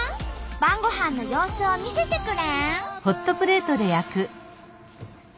晩ごはんの様子を見せてくれん？